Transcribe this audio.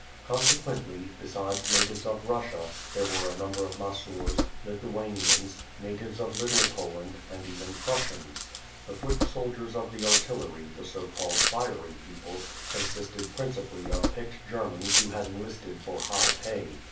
Consequently, besides natives of Russia, there were a number of Masurs, Lithuanians, natives of Little Po land, and even Prussians. The foot soldiers and the artillery, the so called "fiery people,'' consisted principally of picked Germans who had enlisted for high pay.